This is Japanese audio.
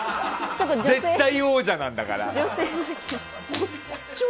絶対王者なんだから。